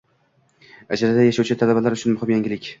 Ijarada yashovchi talabalar uchun muhim yangilik.